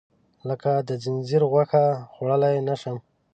لکه د خنځیر غوښه، خوړلی نه شم.